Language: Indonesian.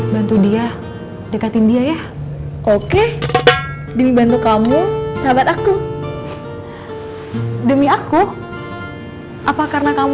bantu dia dekatin dia ya oke demi bantu kamu sahabat aku demi aku apa karena kamu